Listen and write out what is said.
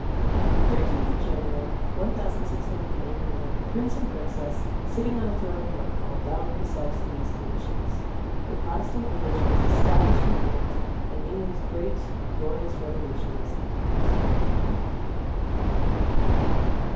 On the thirteenth of January, one thousand six hundred and eighty nine, the Prince and Princess, sitting on a throne in Whitehall, bound themselves to these conditions. The Protestant religion was established in England, and England's great and glorious Revolution was complete.